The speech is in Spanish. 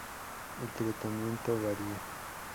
El tratamiento varía.